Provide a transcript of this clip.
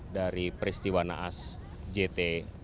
dari peristiwa naas jt enam ratus